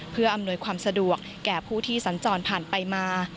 เพื่ออำนวยความสะดวกแก่ผู้ที่สัญจรผ่านไปมา